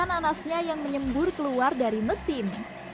dan juga percikan nanasnya yang menyembur keluar dari mesin